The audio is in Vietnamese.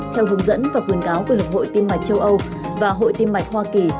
theo hướng dẫn và khuyến cáo của hợp hội tim mạch châu âu và hội tim mạch hoa kỳ